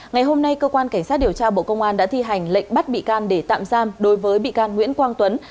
ngày hôm nay cơ quan cảnh sát điều tra bộ công an đã thi hành lệnh bắt bị can để tạm giam đối với bị can nguyễn quang tuấn